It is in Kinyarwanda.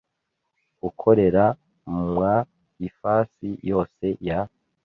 ukorera mw ifasi yose ya